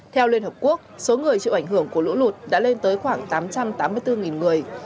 theo liên hợp quốc số người chịu ảnh hưởng của lũ lụt đã lên tới khoảng tám trăm tám mươi bốn người